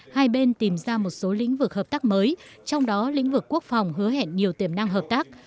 hai bên tìm ra một số lĩnh vực hợp tác mới trong đó lĩnh vực quốc phòng hứa hẹn nhiều tiềm năng hợp tác